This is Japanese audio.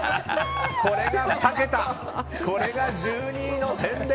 これが２桁これが１２位の洗礼！